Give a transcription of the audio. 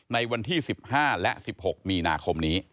ในวันที่๑๕และ๑๖มีนาคมนี้